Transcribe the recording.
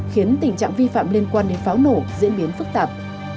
khiến tình trạng vi phạm liên quan đến pháo nổ diễn biến phức tạp